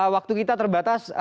waktu kita terbatas